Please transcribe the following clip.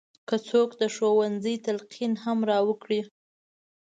که څوک د ښوونځي تلقین هم راته وکړي.